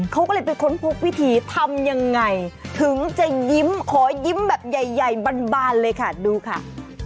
เขาก็เลยไปค้นพบวิธีทำยังไงถึงจะยิ้มขอยิ้มแบบใหญ่บานเลยค่ะดูค่ะ